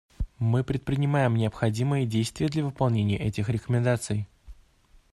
Мы предпринимаем необходимые действия для выполнения этих рекомендаций.